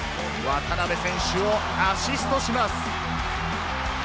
渡邊選手をアシストします。